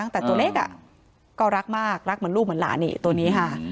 แต่ตัวเล็กก็รักมากรักเหมือนลูกเหมือนหลานนี่ตัวนี้ค่ะ